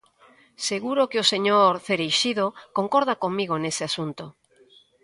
Seguro que o señor Cereixido concorda comigo nese asunto.